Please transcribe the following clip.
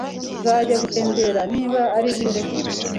Nzajya gutembera niba ari byiza ejo